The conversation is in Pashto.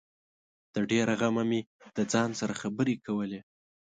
د ډېره غمه مې د ځان سره خبري کولې